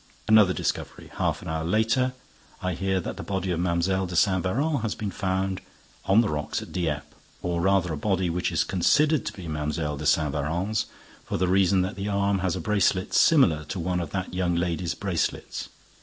Another discovery: half an hour later, I hear that the body of Mlle. de Saint Véran has been found on the rocks at Dieppe—or rather a body which is considered to be Mlle. de Saint Véran's, for the reason that the arm has a bracelet similar to one of that young lady's bracelets.